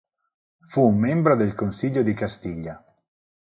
Fu un membro del Consiglio di Castiglia.